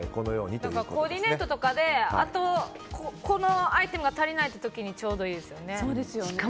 コーディネートとかであと、このアイテムが足りないっていう時にちょうどいいですよね。